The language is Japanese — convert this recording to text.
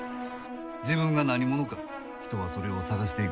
自分が何者か人はそれを探していく。